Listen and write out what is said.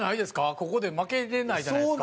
ここで負けれないじゃないですか。